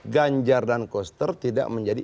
ganjar dan koster tidak menjadi